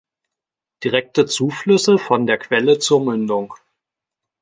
Direkte Zuflüsse von der Quelle zur Mündung.